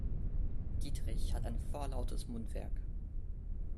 Dietrich hat ein vorlautes Mundwerk.